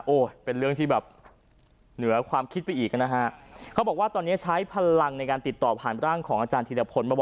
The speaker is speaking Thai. โอ้เป็นเรื่องที่เหนือความคิดไปอีกนะตอนนี้ใช้พลังที่ติดตอบขนาดอาจารย์ธิระพล